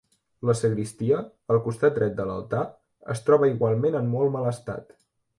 La sagristia, al costat dret de l'altar, es troba igualment en molt mal estat.